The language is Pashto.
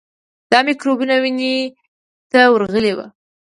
دا میکروبونه وینې ته ورغلي وي.